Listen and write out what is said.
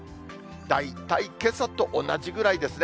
大体けさと同じぐらいですね。